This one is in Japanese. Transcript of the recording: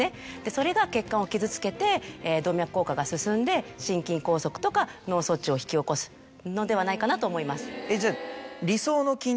それが血管を傷つけて動脈硬化が進んで心筋梗塞とか脳卒中を引き起こすのではないかなと思います。